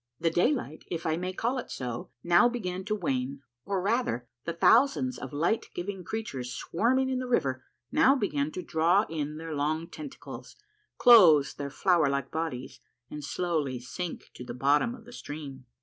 The daylight, if I may call it so, now began to wane, or rather the thousands of light giving creatures swarming in the river now began to draw in their long tentacles, close their flower like bodies, and slowly sink to the bottom of the stream.